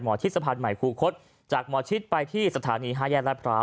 หมอชิตสะพานใหม่คู่คตจากหมอชิตไปที่สถานีฮาแยนลาดพลาว